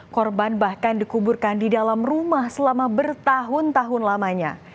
korban bahkan dikuburkan di dalam rumah selama bertahun tahun lamanya